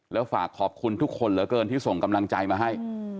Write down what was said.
แล้วฝากขอบคุณทุกคนเหลือเกินที่ส่งกำลังใจมาให้